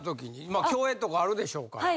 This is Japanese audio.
まあ共演とかあるでしょうから。